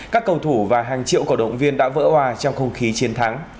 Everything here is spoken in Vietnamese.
các cầu thủ và hàng triệu cổ động viên đã vỡ hòa trong không khí chiến thắng